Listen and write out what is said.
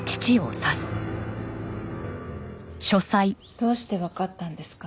どうしてわかったんですか？